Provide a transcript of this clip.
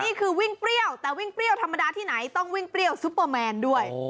นี่คือวิ่งเปรี้ยวแต่วิ่งเปรี้ยวธรรมดาที่ไหนต้องวิ่งเปรี้ยวซุปเปอร์แมนด้วย